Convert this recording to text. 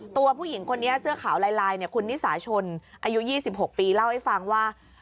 ผู้หญิงคนนี้เสื้อขาวลายคุณนิสาชนอายุ๒๖ปีเล่าให้ฟังว่า